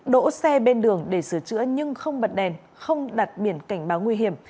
đỗ xe bên đường để sửa chữa nhưng không bật đèn không đặt biển cảnh báo nguy hiểm